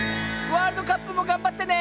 ワールドカップもがんばってね！